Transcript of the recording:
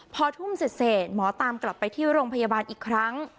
พอทุ่มเสร็จหมอตามกลับไปที่โรงพยาบาลอีกครั้ง